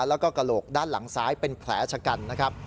แล้วก็กระโหลกด้านหลังซ้ายเป็นแผลชะกันนะครับ